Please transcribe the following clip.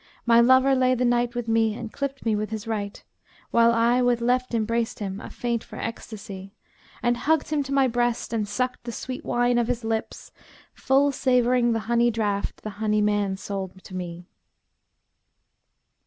My lover lay the Night with me and clipt me with his right, * While I with left embraced him, a faint for ecstasy; And hugged him to my breast and sucked the sweet wine of his lips, * Full savouring the honey draught the honey man sold to me.'